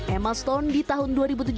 emma stone di tahun dua ribu tujuh belas